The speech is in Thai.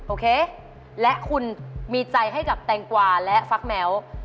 โอเคและคุณมีใจให้กับแตงกวาและฟักแม้ว